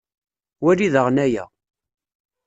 Wali daɣen aya.